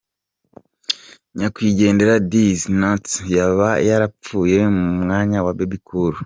Nyakwigendera Dizzy Nuts ngo yaba yarapfuye mu mwanya wa Bebe Cool.